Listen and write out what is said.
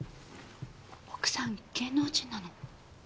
奥さん芸能人なの？